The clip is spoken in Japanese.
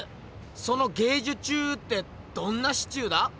その「ゲージュチュー」ってどんなシチューだ？